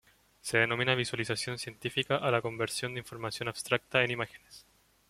Se denomina visualización científica a la conversión de información abstracta en imágenes.